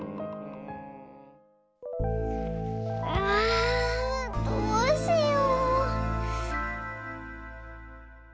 あどうしよう。